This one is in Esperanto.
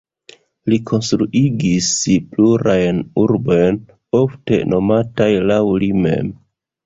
Li konstruigis plurajn urbojn, ofte nomataj laŭ li mem.